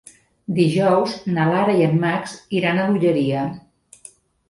Dijous na Lara i en Max iran a l'Olleria.